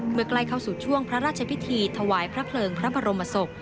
เมื่อไกลเข้าสู่ช่วงพระราชพิธีถวายพระเคลิร์งพระบรมศก